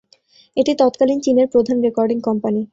এটি তৎকালীন চীনের প্রধান রেকর্ডিং কোম্পানি।